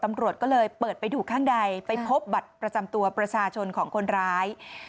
ตำรวจก็เลยเปิดไปดูข้างในไปพบบัตรประจำตัวประชาชนของคนร้าย